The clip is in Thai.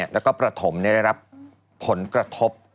แล้วก็ประถมได้รับผลกระทบ